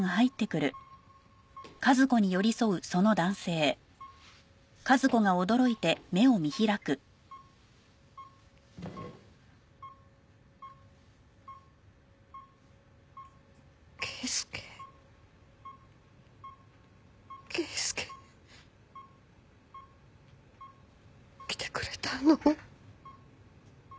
来てくれたの？